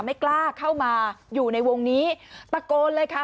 ไม่กล้าเข้ามาอยู่ในวงนี้ตะโกนเลยค่ะ